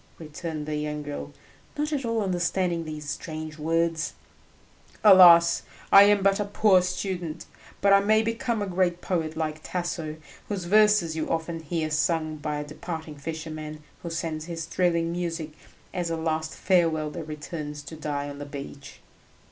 returned the young girl, not at all understanding these strange words. "Alas! I am but a poor student, but I may become a great poet like Tasso, whose verses you often hear sung by a departing fisherman who sends his thrilling music as a last farewell that returns to die on the beach."